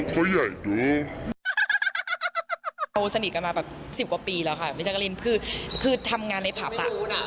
เขาสนิทกันมาแบบสิบกว่าปีแล้วค่ะใบเจ้าโอธิเรนคือทำงานในพัฟล์นะ